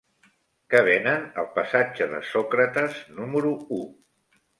Què venen al passatge de Sòcrates número u?